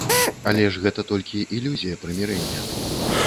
Але ж гэта толькі ілюзія прымірэння.